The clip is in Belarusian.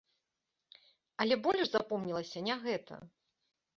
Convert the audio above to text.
Але больш запомнілася не гэта.